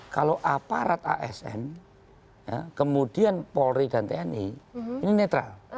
kalau aparat asn kemudian polri dan tni ini netral